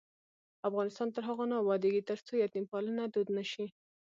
افغانستان تر هغو نه ابادیږي، ترڅو یتیم پالنه دود نشي.